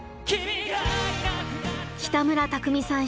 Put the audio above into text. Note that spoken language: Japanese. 北村匠海さん